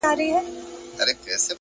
د موخې وضاحت د لارې نیمه اسانتیا ده,